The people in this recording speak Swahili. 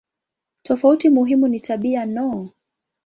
Tofauti muhimu ni tabia no.